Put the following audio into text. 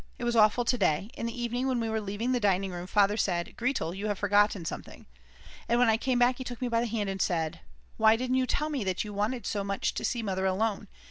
It was awful to day. In the evening when we were leaving the dining room Father said: "Gretl you have forgotten something." And when I came back he took me by the hand and said: "Why didn't you tell me that you want so much to see Mother alone?